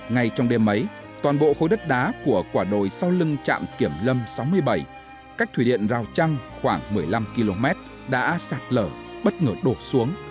ngay trong đêm ấy toàn bộ khối đất đá của quả đồi sau lưng trạm kiểm lâm sáu mươi bảy cách thủy điện rào trăng khoảng một mươi năm km đã sạt lở bất ngờ đổ xuống